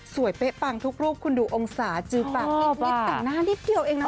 เป๊ะปังทุกรูปคุณดูองศาจือปากนิดแต่งหน้านิดเดียวเองนะ